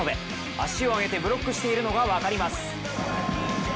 足を上げてブロックしているのが分かります。